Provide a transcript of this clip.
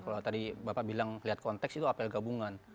kalau tadi bapak bilang lihat konteks itu apel gabungan